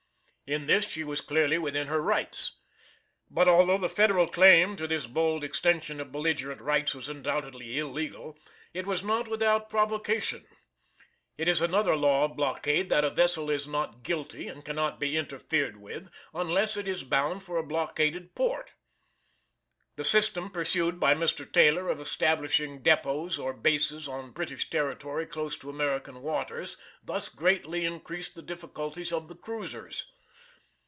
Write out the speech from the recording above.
In this she was clearly within her rights. But although the Federal claim to this bold extension of belligerent rights was undoubtedly illegal, it was not without provocation. It is another law of blockade that a vessel is not "guilty" and cannot be interfered with unless it is bound for a blockaded port. The system pursued by Mr. Taylor of establishing depots or bases on British territory close to American waters thus greatly increased the difficulties of the cruisers.